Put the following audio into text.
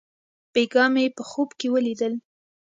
بېګاه مې په خوب کښې وليدل.